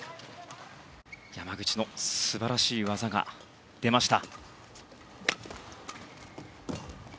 山口の素晴らしい技が出ました。